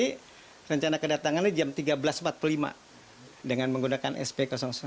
jadi rencana kedatangan ini jam tiga belas empat puluh lima dengan menggunakan sp satu